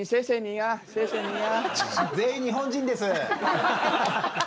全員日本人です。